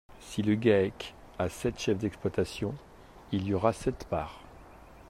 Si le GAEC a sept chefs d’exploitation, il y aura sept parts.